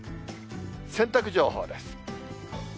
洗濯情報です。